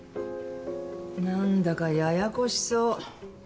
何だかややこしそう。